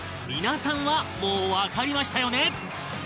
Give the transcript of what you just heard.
皆さんはもうわかりましたよね？